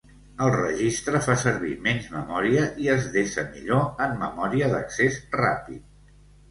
El registre fa servir menys memòria i es desa millor en memòria d'accés ràpid.